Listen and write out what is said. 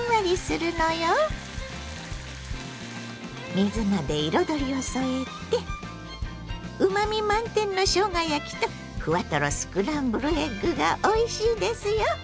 水菜で彩りを添えてうまみ満点のしょうが焼きとふわとろスクランブルエッグがおいしいですよ。